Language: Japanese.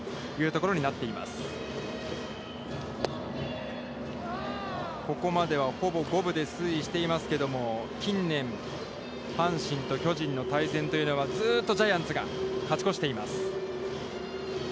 ここまでは、ほぼ五分で推移してますけど近年、阪神と巨人の対戦というのは、ずうっとジャイアンツが勝ち越しています。